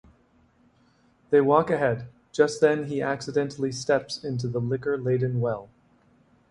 They walk ahead, just then he accidentally steps into the liquor-laden well.